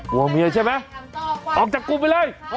กลัวเมียใช่ไหมออกจากกูไปเลย